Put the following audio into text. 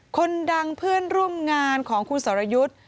คนดังเพื่อนร่วมงานของคุณสรยุทธ์